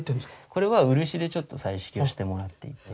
これは漆でちょっと彩色をしてもらっていて。